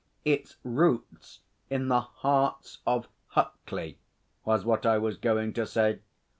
'Its roots in the hearts of Huckley was what I was going to say.